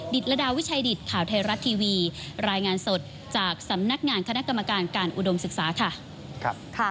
ตรดาวิชัยดิตข่าวไทยรัฐทีวีรายงานสดจากสำนักงานคณะกรรมการการอุดมศึกษาค่ะ